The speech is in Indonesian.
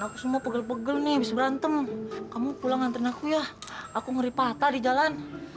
aku semua pegel pegel nih habis berantem kamu pulang ngantri aku ya aku ngeri patah di jalan